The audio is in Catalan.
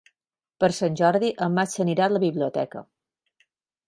Per Sant Jordi en Max anirà a la biblioteca.